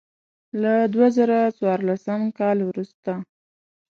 له دوه زره څوارلسم کال وروسته.